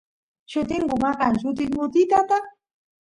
llutingu maqan llutingutitata